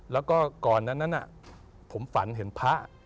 แล้วก็ก่อนนั้นผมฝันเห็นพระ